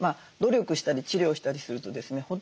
努力したり治療したりするとですね